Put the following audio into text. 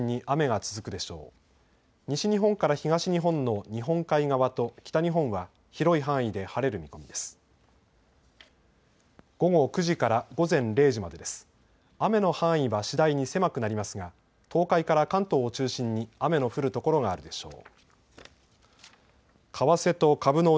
雨の範囲は次第に狭くなりますが東海から関東を中心に雨の降る所があるでしょう。